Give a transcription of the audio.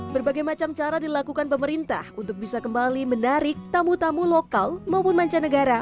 berbagai macam cara dilakukan pemerintah untuk bisa kembali menarik tamu tamu lokal maupun mancanegara